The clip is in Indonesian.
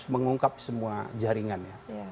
mengungkap semua jaringannya